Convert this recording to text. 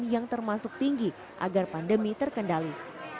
yang termasuk tinggi agar pandemi terkendali